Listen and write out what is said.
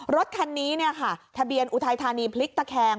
รถคันนี้เนี่ยค่ะทะเบียนอุทัยธานีพลิกตะแคง